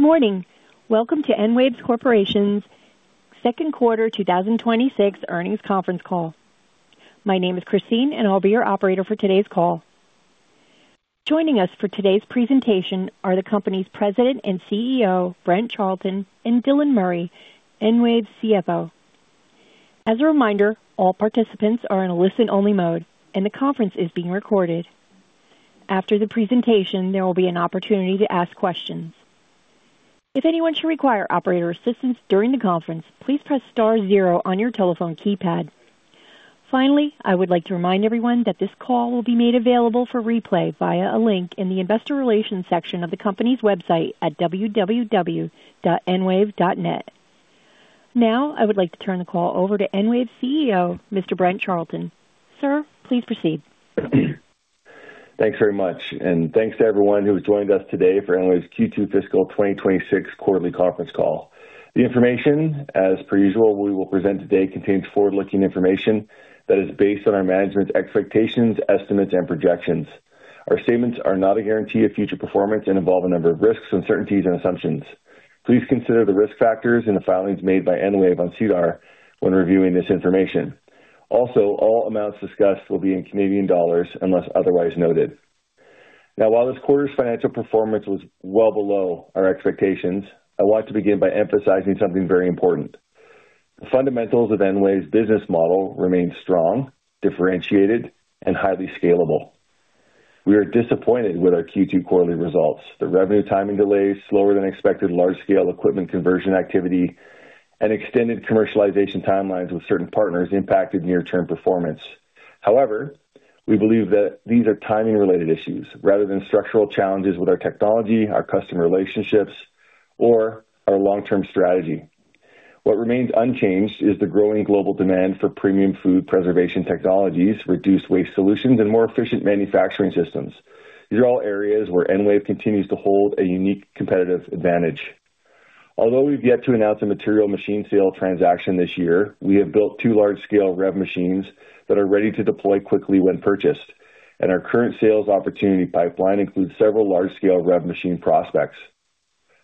Good morning. Welcome to EnWave Corporation's Q2 2026 earnings conference call. My name is Christine, and I'll be your operator for today's call. Joining us for today's presentation are the company's President and CEO, Brent Charleton, and Dylan Murray, EnWave's CFO. As a reminder, all participants are in a listen-only mode, and the conference is being recorded. After the presentation, there will be an opportunity to ask questions. If anyone should require operator assistance during the conference, please press star zero on your telephone keypad. Finally, I would like to remind everyone that this call will be made available for replay via a link in the investor relations section of the company's website at www.enwave.net. Now, I would like to turn the call over to EnWave CEO, Mr. Brent Charleton. Sir, please proceed. Thanks very much, and thanks to everyone who has joined us today for EnWave's Q2 fiscal 2026 quarterly conference call. The information, as per usual, we will present today contains forward-looking information that is based on our management's expectations, estimates, and projections. Our statements are not a guarantee of future performance and involve a number of risks, uncertainties, and assumptions. Please consider the risk factors in the filings made by EnWave on SEDAR when reviewing this information. All amounts discussed will be in Canadian dollars unless otherwise noted. While this quarter's financial performance was well below our expectations, I want to begin by emphasizing something very important. The fundamentals of EnWave's business model remain strong, differentiated, and highly scalable. We are disappointed with our Q2 quarterly results. The revenue timing delays, slower than expected large-scale equipment conversion activity, and extended commercialization timelines with certain partners impacted near-term performance. However, we believe that these are timing-related issues rather than structural challenges with our technology, our customer relationships, or our long-term strategy. What remains unchanged is the growing global demand for premium food preservation technologies, reduced waste solutions, and more efficient manufacturing systems. These are all areas where EnWave continues to hold a unique competitive advantage. Although we've yet to announce a material machine sale transaction this year, we have built two large-scale REV machines that are ready to deploy quickly when purchased, and our current sales opportunity pipeline includes several large-scale REV machine prospects.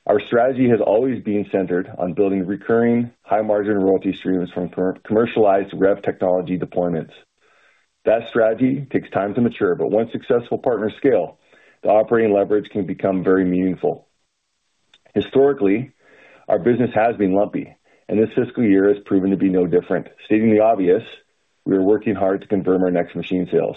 Our strategy has always been centered on building recurring, high-margin royalty streams from commercialized REV technology deployments. That strategy takes time to mature, but once successful partners scale, the operating leverage can become very meaningful. Historically, our business has been lumpy, and this fiscal year has proven to be no different. Stating the obvious, we are working hard to confirm our next machine sales.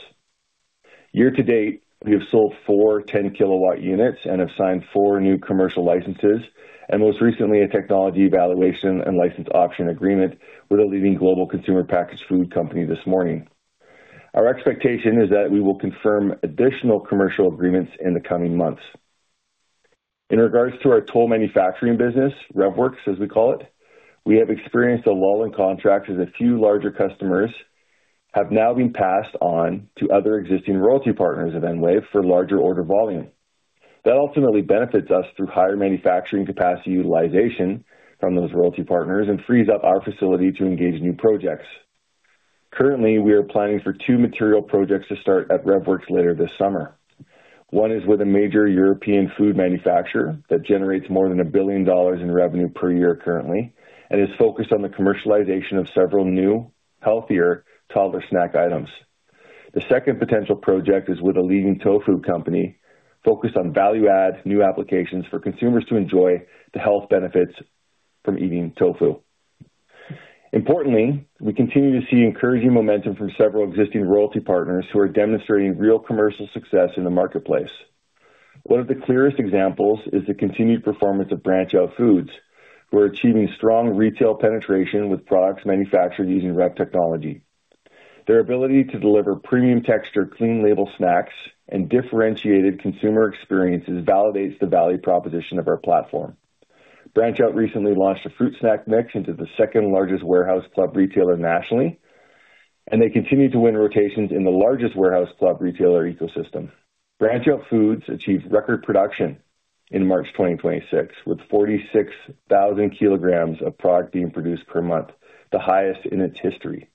Year-to-date, we have sold four 10 KW units and have signed four new commercial licenses, and most recently, a technology evaluation and license option agreement with a leading global consumer packaged food company this morning. Our expectation is that we will confirm additional commercial agreements in the coming months. In regards to our toll manufacturing business, REVworx, as we call it, we have experienced a lull in contracts as a few larger customers have now been passed on to other existing royalty partners of EnWave for larger order volume. That ultimately benefits us through higher manufacturing capacity utilization from those royalty partners and frees up our facility to engage new projects. Currently, we are planning for two material projects to start at REVworx later this summer. One is with a major European food manufacturer that generates more than 1 billion dollars in revenue per year currently and is focused on the commercialization of several new, healthier toddler snack items. The second potential project is with a leading tofu company focused on value-add new applications for consumers to enjoy the health benefits from eating tofu. Importantly, we continue to see encouraging momentum from several existing royalty partners who are demonstrating real commercial success in the marketplace. One of the clearest examples is the continued performance of BranchOut Food, who are achieving strong retail penetration with products manufactured using REV technology. Their ability to deliver premium texture, clean label snacks, and differentiated consumer experiences validates the value proposition of our platform. BranchOut recently launched a fruit snack mix into the second-largest warehouse club retailer nationally, and they continue to win rotations in the largest warehouse club retailer ecosystem. BranchOut Food achieved record production in March 2026, with 46,000 kg of product being produced per month, the highest in its history.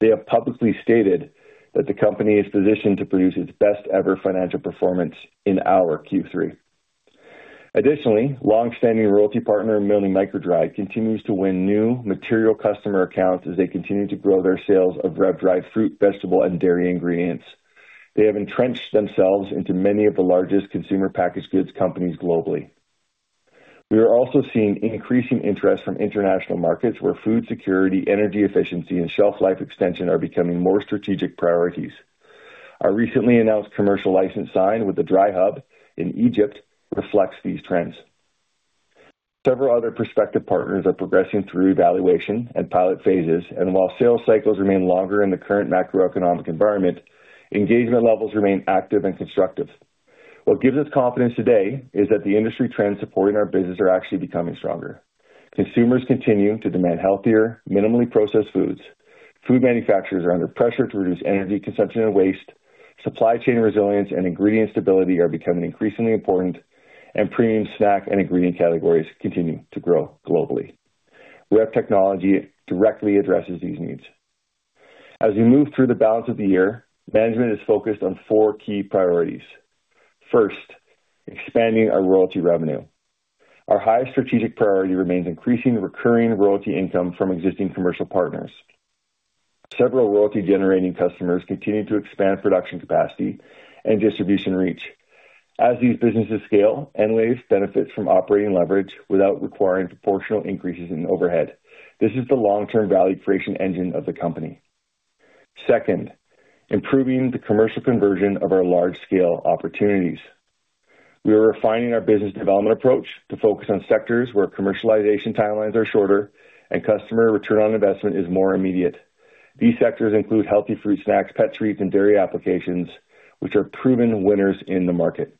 They have publicly stated that the company is positioned to produce its best-ever financial performance in our Q3. Additionally, long-standing royalty partner Milne MicroDried continues to win new material customer accounts as they continue to grow their sales of REV-dried fruit, vegetable, and dairy ingredients. They have entrenched themselves into many of the largest consumer packaged goods companies globally. We are also seeing increasing interest from international markets where food security, energy efficiency, and shelf life extension are becoming more strategic priorities. Our recently announced commercial license signed with The Dry Hub in Egypt reflects these trends. Several other prospective partners are progressing through evaluation and pilot phases. While sales cycles remain longer in the current macroeconomic environment, engagement levels remain active and constructive. What gives us confidence today is that the industry trends supporting our business are actually becoming stronger. Consumers continue to demand healthier, minimally processed foods. Food manufacturers are under pressure to reduce energy consumption and waste. Supply chain resilience and ingredient stability are becoming increasingly important. Premium snack and ingredient categories continue to grow globally. REV technology directly addresses these needs. As we move through the balance of the year, management is focused on four key priorities. First, expanding our royalty revenue. Our highest strategic priority remains increasing the recurring royalty income from existing commercial partners. Several royalty-generating customers continue to expand production capacity and distribution reach. As these businesses scale, EnWave benefits from operating leverage without requiring proportional increases in overhead. This is the long-term value creation engine of the company. Second, improving the commercial conversion of our large-scale opportunities. We are refining our business development approach to focus on sectors where commercialization timelines are shorter and customer return on investment is more immediate. These sectors include healthy fruit snacks, pet treats, and dairy applications, which are proven winners in the market.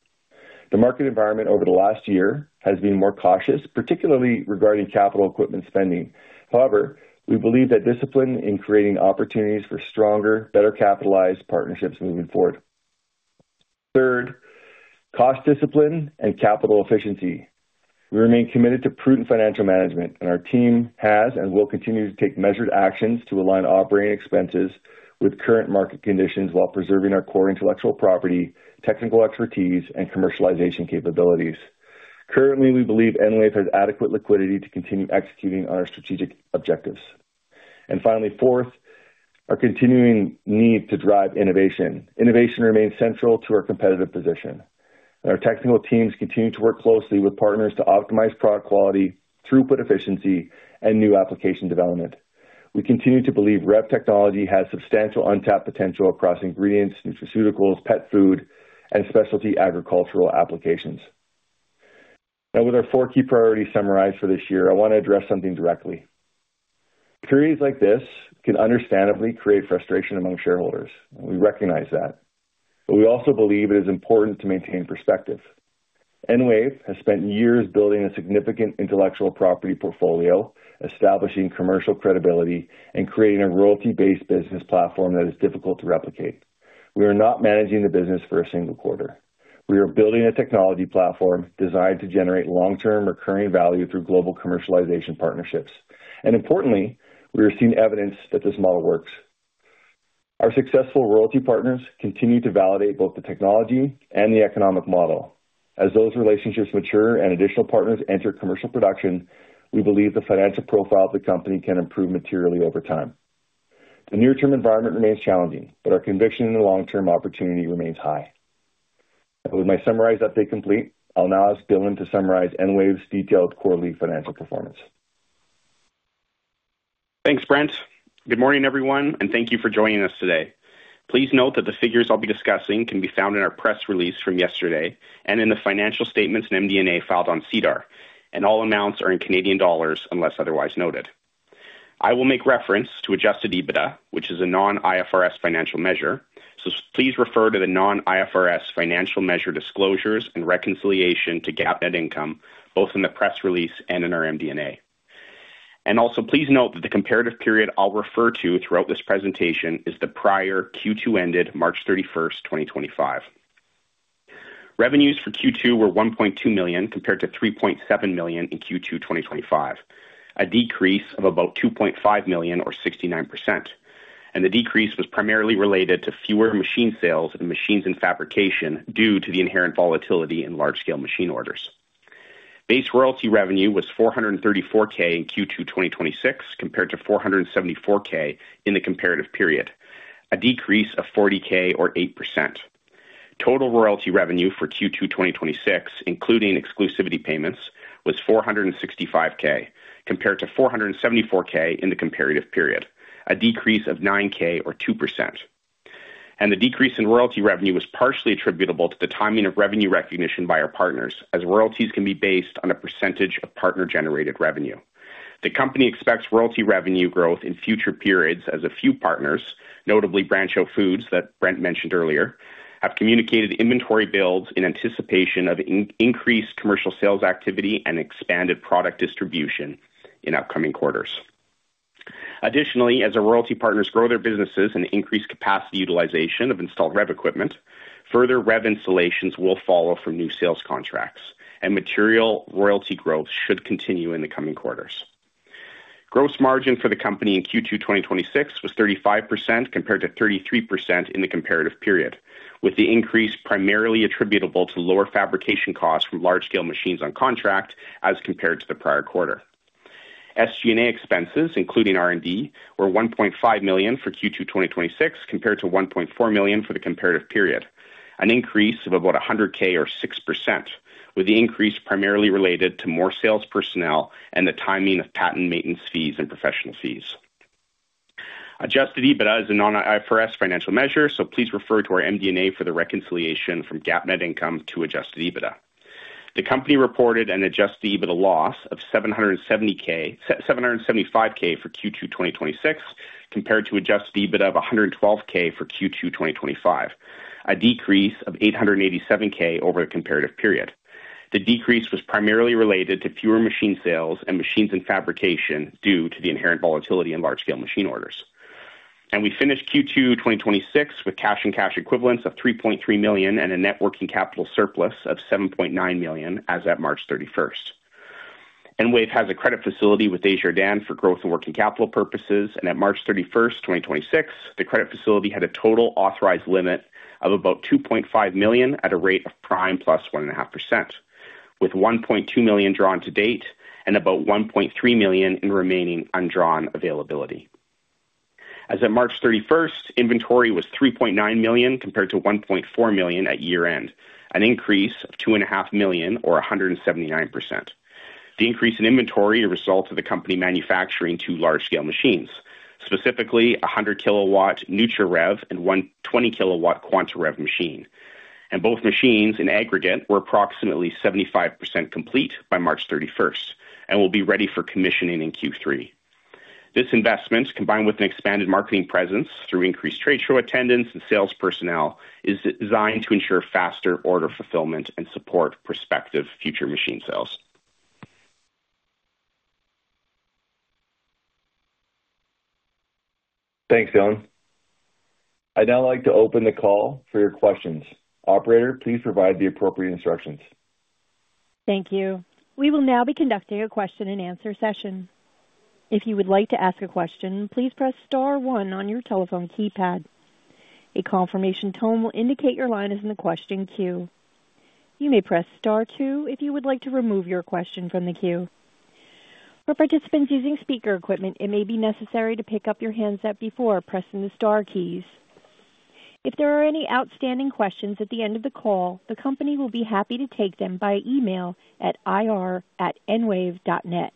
The market environment over the last year has been more cautious, particularly regarding capital equipment spending. However, we believe that discipline in creating opportunities for stronger, better-capitalized partnerships moving forward. Third, cost discipline and capital efficiency. We remain committed to prudent financial management, and our team has and will continue to take measured actions to align operating expenses with current market conditions while preserving our core intellectual property, technical expertise, and commercialization capabilities. Currently, we believe EnWave has adequate liquidity to continue executing on our strategic objectives. Finally, fourth, our continuing need to drive innovation. Innovation remains central to our competitive position. Our technical teams continue to work closely with partners to optimize product quality, throughput efficiency, and new application development. We continue to believe REV technology has substantial untapped potential across ingredients, nutraceuticals, pet food, and specialty agricultural applications. Now with our four key priorities summarized for this year, I want to address something directly. Periods like this can understandably create frustration among shareholders, and we recognize that. We also believe it is important to maintain perspective. EnWave has spent years building a significant intellectual property portfolio, establishing commercial credibility, and creating a royalty-based business platform that is difficult to replicate. We are not managing the business for a single quarter. We are building a technology platform designed to generate long-term recurring value through global commercialization partnerships. Importantly, we are seeing evidence that this model works. Our successful royalty partners continue to validate both the technology and the economic model. As those relationships mature and additional partners enter commercial production, we believe the financial profile of the company can improve materially over time. The near-term environment remains challenging, but our conviction in the long-term opportunity remains high. With my summarized update complete, I'll now ask Dylan to summarize EnWave's detailed quarterly financial performance. Thanks, Brent. Good morning, everyone, and thank you for joining us today. Please note that the figures I'll be discussing can be found in our press release from yesterday and in the financial statements in MD&A filed on SEDAR. All amounts are in Canadian dollars unless otherwise noted. I will make reference to adjusted EBITDA, which is a non-IFRS financial measure. Please refer to the non-IFRS financial measure disclosures and reconciliation to GAAP net income, both in the press release and in our MD&A. Also please note that the comparative period I'll refer to throughout this presentation is the prior Q2 ended March 31st, 2025. Revenues for Q2 were 1.2 million compared to 3.7 million in Q2 2025, a decrease of about 2.5 million or 69%. The decrease was primarily related to fewer machine sales and machines in fabrication due to the inherent volatility in large-scale machine orders. Base royalty revenue was 434,000 in Q2 2026 compared to 474,000 in the comparative period, a decrease of 40,000 or 8%. Total royalty revenue for Q2 2026, including exclusivity payments, was 465,000 compared to 474,000 in the comparative period, a decrease of 9,000 or 2%. The decrease in royalty revenue was partially attributable to the timing of revenue recognition by our partners, as royalties can be based on a percentage of partner-generated revenue. The company expects royalty revenue growth in future periods as a few partners, notably BranchOut Food that Brent mentioned earlier, have communicated inventory builds in anticipation of increased commercial sales activity and expanded product distribution in upcoming quarters. Additionally, as our royalty partners grow their businesses and increase capacity utilization of installed REV equipment, further REV installations will follow from new sales contracts, and material royalty growth should continue in the coming quarters. Gross margin for the company in Q2 2026 was 35% compared to 33% in the comparative period, with the increase primarily attributable to lower fabrication costs from large-scale machines on contract as compared to the prior quarter. SG&A expenses, including R&D, were 1.5 million for Q2 2026 compared to 1.4 million for the comparative period, an increase of about 100,000 or 6%, with the increase primarily related to more sales personnel and the timing of patent maintenance fees and professional fees. Adjusted EBITDA is a non-IFRS financial measure, so please refer to our MD&A for the reconciliation from GAAP net income to adjusted EBITDA. The company reported an adjusted EBITDA loss of 775,000 for Q2 2026 compared to adjusted EBITDA of 112,000 for Q2 2025, a decrease of 887,000 over the comparative period. The decrease was primarily related to fewer machine sales and machines in fabrication due to the inherent volatility in large-scale machine orders. We finished Q2 2026 with cash and cash equivalents of 3.3 million and a net working capital surplus of 7.9 million as at March 31st. EnWave has a credit facility with Desjardins for growth and working capital purposes. At March 31st, 2026, the credit facility had a total authorized limit of about 2.5 million at a rate of prime +1.5%, with 1.2 million drawn to date and about 1.3 million in remaining undrawn availability. As at March 31st, inventory was 3.9 million, compared to 1.4 million at year-end, an increase of 2.5 million or 179%. The increase in inventory a result of the company manufacturing two large-scale machines, specifically 100 KW nutraREV and 120 KW quantaREV machine. Both machines in aggregate were approximately 75% complete by March 31st and will be ready for commissioning in Q3. This investment, combined with an expanded marketing presence through increased trade show attendance and sales personnel, is designed to ensure faster order fulfillment and support prospective future machine sales. Thanks, Dylan. I'd now like to open the call for your questions. Operator, please provide the appropriate instructions. Thank you. We will now be conducting a question and answer session. If you would like to ask a question, please press star one on your telephone keypad. A confirmation tone will indicate your line is in the question queue. You may press star two if you would like to remove your question from the queue. For participants using speaker equipment, it may be necessary to pick up your handset before pressing the star keys. If there are any outstanding questions at the end of the call, the company will be happy to take them by email at ir@enwave.net. One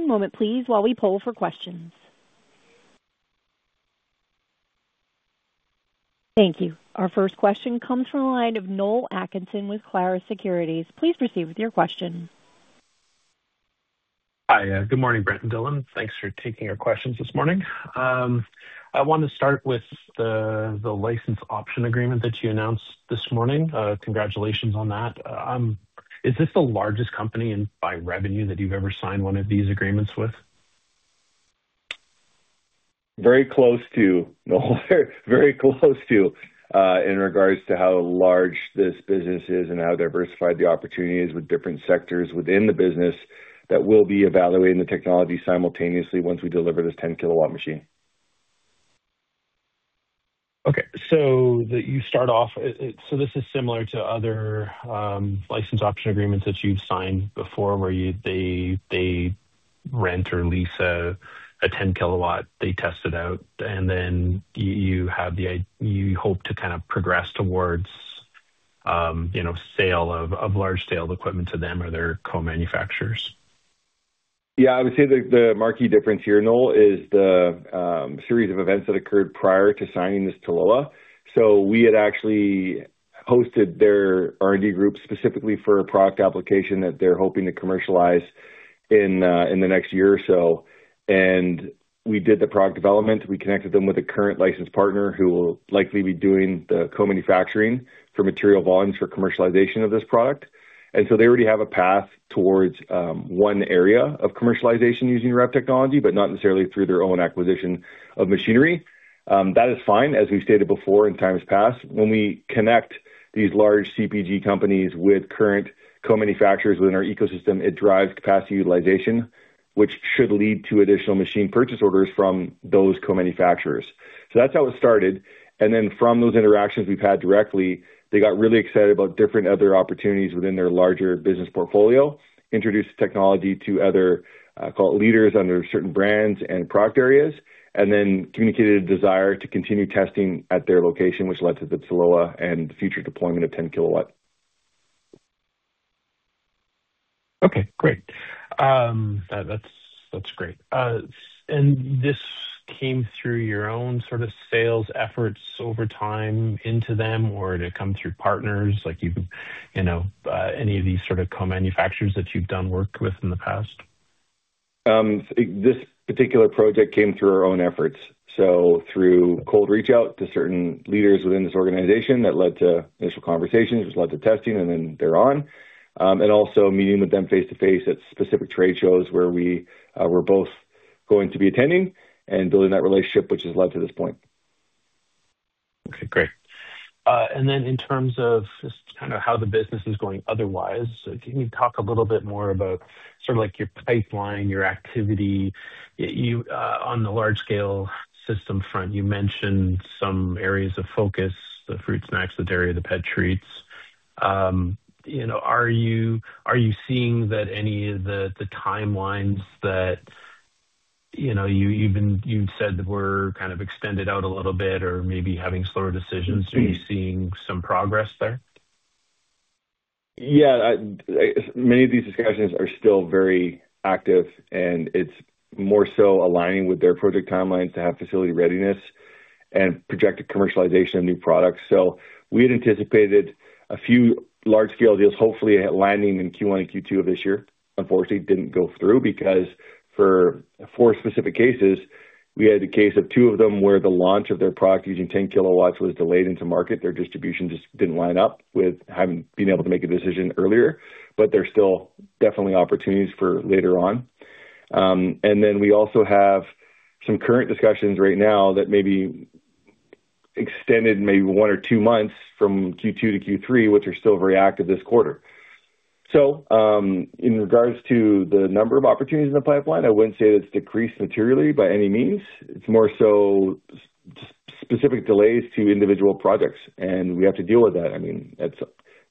moment please, while we poll for questions. Thank you. Our first question comes from the line of Noel Atkinson with Clarus Securities. Please proceed with your question. Hi. Good morning, Brent Charleton and Dylan. Thanks for taking our questions this morning. I want to start with the license option agreement that you announced this morning. Congratulations on that. Is this the largest company by revenue that you've ever signed one of these agreements with? Very close to, Noel, in regards to how large this business is and how diversified the opportunity is with different sectors within the business that will be evaluating the technology simultaneously once we deliver this 10 KW machine. Okay. This is similar to other license option agreements that you've signed before, where they rent or lease a 10 KW, they test it out, and then you hope to kind of progress towards sale of large sale equipment to them or their co-manufacturers. I would say the marquee difference here, Noel, is the series of events that occurred prior to signing this LOA. We had actually hosted their R&D group specifically for a product application that they're hoping to commercialize in the next year or so. We did the product development. We connected them with a current license partner who will likely be doing the co-manufacturing for material volumes for commercialization of this product. They already have a path towards one area of commercialization using REV technology, but not necessarily through their own acquisition of machinery. That is fine. As we've stated before, in times past, when we connect these large CPG companies with current co-manufacturers within our ecosystem, it drives capacity utilization, which should lead to additional machine purchase orders from those co-manufacturers. That's how it started. From those interactions we've had directly, they got really excited about different other opportunities within their larger business portfolio, introduced technology to other, call it, leaders under certain brands and product areas, and then communicated a desire to continue testing at their location, which led to the LOA and future deployment of 10 KW. Okay, great. That's great. This came through your own sort of sales efforts over time into them, or did it come through partners like any of these sort of co-manufacturers that you've done work with in the past? This particular project came through our own efforts. Through cold reach out to certain leaders within this organization that led to initial conversations, which led to testing and then thereon. Also meeting with them face-to-face at specific trade shows where we were both going to be attending and building that relationship, which has led to this point. Okay, great. In terms of just kind of how the business is going otherwise, can you talk a little bit more about sort of like your pipeline, your activity on the large scale system front? You mentioned some areas of focus, the fruit snacks, the dairy, the pet treats. Are you seeing that any of the timelines that you said were kind of extended out a little bit or maybe having slower decisions, are you seeing some progress there? Yeah. Many of these discussions are still very active, and it's more so aligning with their project timeline to have facility readiness and projected commercialization of new products. We had anticipated a few large-scale deals hopefully landing in Q1 and Q2 of this year. Unfortunately, it didn't go through because for four specific cases, we had a case of two of them where the launch of their product using 10 KW was delayed into market. Their distribution just didn't line up with having been able to make a decision earlier, but there's still definitely opportunities for later on. We also have some current discussions right now that may be extended maybe one or two months from Q2 to Q3, which are still very active this quarter. In regards to the number of opportunities in the pipeline, I wouldn't say that it's decreased materially by any means. It's more so specific delays to individual projects, and we have to deal with that. That's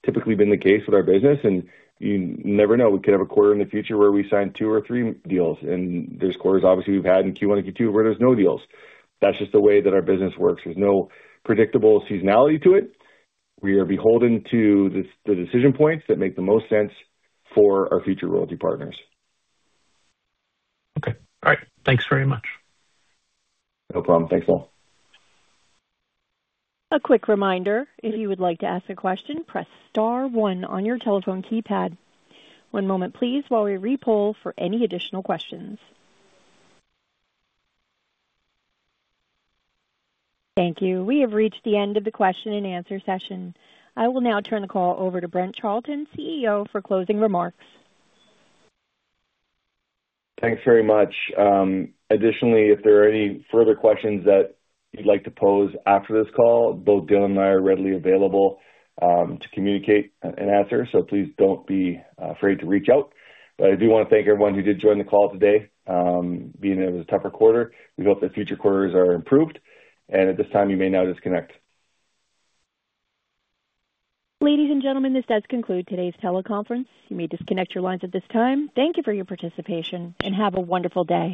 typically been the case with our business, and you never know. We could have a quarter in the future where we sign two or three deals, and there's quarters, obviously we've had in Q1 and Q2, where there's no deals. That's just the way that our business works. There's no predictable seasonality to it. We are beholden to the decision points that make the most sense for our future royalty partners. Okay. All right. Thanks very much. No problem. Thanks, Noel. A quick reminder, if you would like to ask a question, press star one on your telephone keypad. One moment please, while we re-poll for any additional questions. Thank you. We have reached the end of the question and answer session. I will now turn the call over to Brent Charleton, CEO, for closing remarks. Thanks very much. If there are any further questions that you'd like to pose after this call, both Dylan and I are readily available to communicate and answer. Please don't be afraid to reach out. I do want to thank everyone who did join the call today, being it was a tougher quarter. We hope that future quarters are improved. At this time, you may now disconnect. Ladies and gentlemen, this does conclude today's teleconference. You may disconnect your lines at this time. Thank you for your participation, and have a wonderful day.